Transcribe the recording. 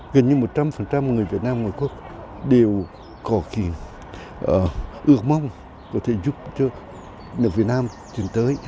gần như một trăm linh người việt nam ngoài quốc đều có ước mong có thể giúp cho nước việt nam tiến tới